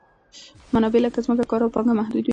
منابع لکه ځمکه، کار او پانګه محدود دي.